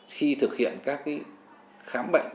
khi thực hiện các khám bệnh